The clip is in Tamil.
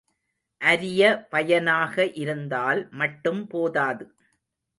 அரிய பயனாக இருந்தால் மட்டும் போதாது.